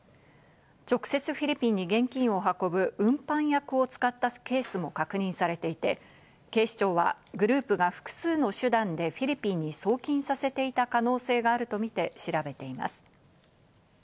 直接フィリピンに現金を運ぶ運搬役を使ったケースも確認されていて、警視庁はグループが複数の手段でフィリピンに送金させていた可能性があるとみて調べています。